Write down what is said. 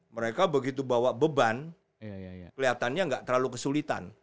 mereka begitu bawa beban kelihatannya nggak terlalu kesulitan